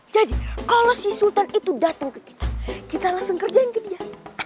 jadi kalau si sultan itu datang ke kita kita langsung ngerjain ke dia